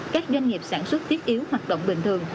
các doanh nghiệp sản xuất thiết yếu hoạt động bình thường